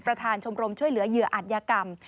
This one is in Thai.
ชมรมช่วยเหลือเหยื่ออัตยกรรม